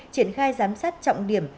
triển khai giám sát trọng điểm